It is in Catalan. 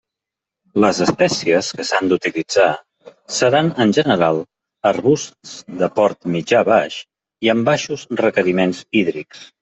Les espècies que s'han d'utilitzar seran en general arbusts de port mitjà-baix i amb baixos requeriments hídrics.